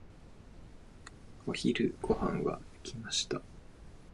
お昼ご飯は抜きました。